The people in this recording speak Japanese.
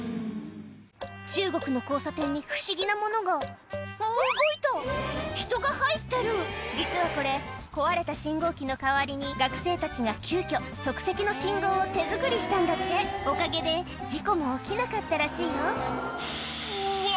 中国の交差点に不思議なものが動いた人が入ってる実はこれ壊れた信号機の代わりに学生たちが急きょ即席の信号を手作りしたんだっておかげで事故も起きなかったらしいようわ！